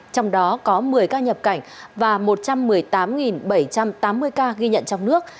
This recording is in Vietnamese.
trong đó có một mươi ca nhập cảnh và một trăm một mươi tám bảy trăm tám mươi ca ghi nhận trong nước